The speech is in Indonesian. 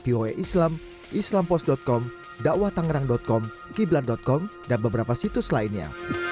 www islampost com dakwatangerang com kiblat com dan beberapa situs lainnya